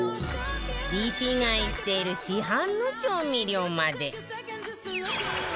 リピ買いしている市販の調味料まで